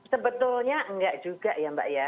sebetulnya enggak juga ya mbak ya